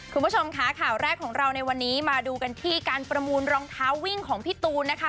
คุณผู้ชมค่ะข่าวแรกของเราในวันนี้มาดูกันที่การประมูลรองเท้าวิ่งของพี่ตูนนะคะ